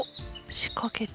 仕掛けて。